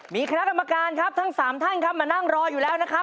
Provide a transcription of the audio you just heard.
มีคณะกรรมการทั้งสามท่านมานั่งรออยู่แล้วนะครับ